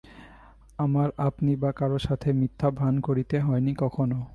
আমার আপনি বা কারো সাথে মিথ্যা ভান করতে হয়নি কখনো।